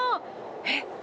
えっ？